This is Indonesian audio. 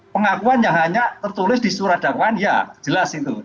pengakuan yang hanya tertulis di surat dakwaan ya jelas itu